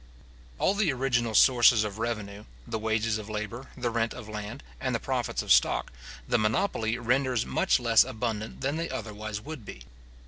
All the original sources of revenue, the wages of labour, the rent of land, and the profits of stock, the monopoly renders much less abundant than they otherwise would be.